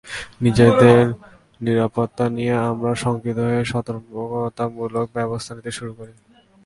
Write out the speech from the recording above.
নিজেদের নিরাপত্তা নিয়ে আমরা শঙ্কিত হয়ে সতর্কতামূলক ব্যবস্থা নিতে শুরু করি।